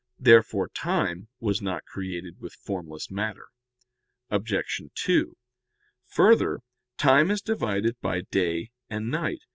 "Therefore time was not created with formless matter. Obj. 2: Further, time is divided by day and night.